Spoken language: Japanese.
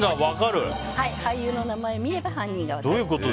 俳優の名前を見れば犯人が分かる。